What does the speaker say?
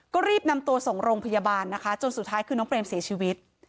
ก็รีบนำตัวส่งโรงพยาบาลนะคะจนสุดท้ายคือน้องเปรมเสียชีวิต